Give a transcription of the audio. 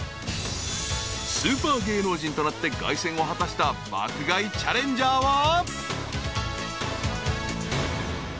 ［スーパー芸能人となって凱旋を果たした爆買いチャレンジャーは］